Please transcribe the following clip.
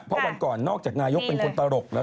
เพราะวันก่อนนอกจากนายกเป็นคนตลกแล้ว